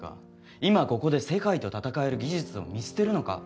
今ここで世界と戦える技術を見捨てるのか？